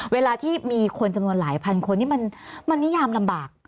เวลาที่มีคนจำนวนหลายพันคนนี่มันนิยามลำบาก